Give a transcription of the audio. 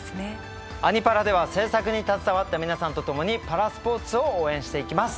「アニ×パラ」では制作に携わった皆さんと共にパラスポーツを応援していきます。